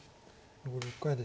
残り６回です。